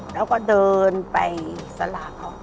แล้วก็ดินไปสระของ